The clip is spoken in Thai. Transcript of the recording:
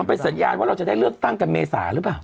เป็นสัญญาณว่าเราจะได้เลือกตั้งกันเมษาหรือเปล่า